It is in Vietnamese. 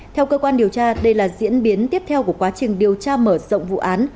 theo cơ quan điều tra đây là diễn biến tiếp theo của quá trình điều tra mở rộng vụ án